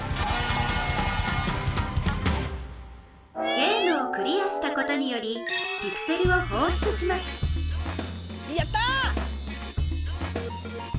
ゲームをクリアしたことによりピクセルをほうしゅつしますやった！